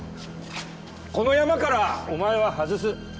このヤマからお前は外す。